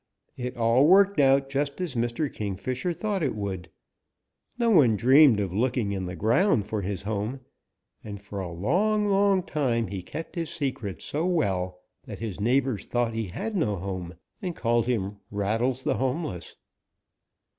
"It all worked out just as Mr. Kingfisher thought it would. No one dreamed of looking in the ground for his home, and for a long, long time he kept his secret so well that his neighbors thought he had no home, and called him 'Rattles the Homeless.'